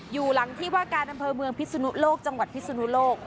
อยู่หลังที่ว่าการอำเภอเมืองพิศนุโลกจังหวัดพิศนุโลก